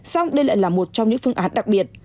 sao cũng đây lại là một trong những phương án đặc biệt